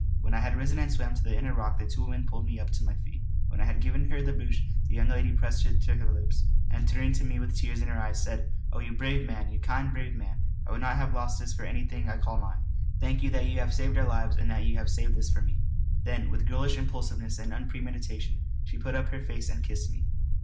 When I had risen and swam to the inner rock the two women pulled me up to my feet. When I gave her the brooch the young lady pressed it to her lips, and turning to me with tears in her eyes said: "Oh you brave man! You kind, brave man! I would not have lost this for anything I call mine. Thank you that you have saved our lives; and that you have saved this for me." Then with girlish impulsiveness and unpremeditation she put up her face and kissed me.